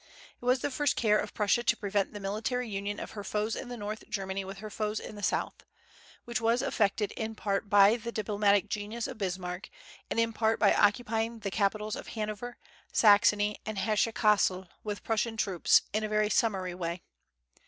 It was the first care of Prussia to prevent the military union of her foes in North Germany with her foes in the south, which was effected in part by the diplomatic genius of Bismarck, and in part by occupying the capitals of Hanover, Saxony, and Hesse Cassel with Prussian troops, in a very summary way.